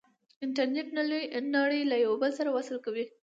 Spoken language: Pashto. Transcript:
انټرنیټ نړۍ له یو بل سره وصل کوي.